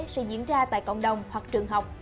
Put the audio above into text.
sẽ diễn ra tại cộng đồng hoặc trường học